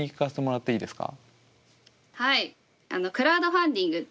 はい。